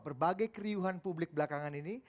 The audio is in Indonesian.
berbagai keriuhan publik belakangan ini